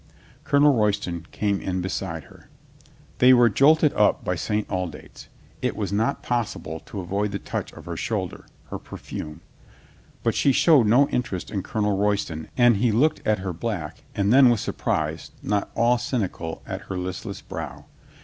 Colonel Roy ston came in beside her. They were jolted up St. Aldate's. It was not possible to avoid the touch of her shoulder, her perfume. But she showed no interest in Colonel Royston and he looked at her black and then with surprise not all cynical at her listless brow.